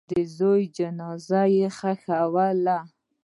د زوی جنازه یې ښخوله.